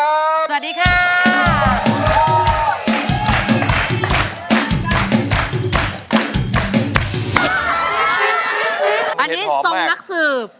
อันนี้ทรงนักสืบ